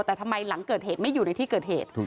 แต่ทำไมหลังเกิดเหตุไม่อยู่ในที่เกิดเหตุ